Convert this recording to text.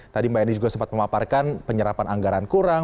tadi mbak eni juga sempat memaparkan penyerapan anggaran kurang